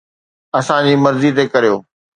اسان جي مرضي تي ڪريو.